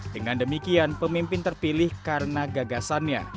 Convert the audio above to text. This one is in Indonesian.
dengan demikian pemimpin terpilih karena gagasannya